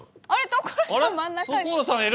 所さんいる。